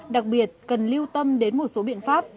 đặc biệt cần lưu tâm đến một số biện pháp